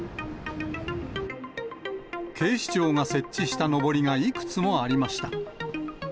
警視庁が設置したのぼりがいくつもありました。